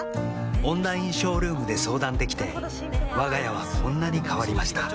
オンラインショールームで相談できてわが家はこんなに変わりました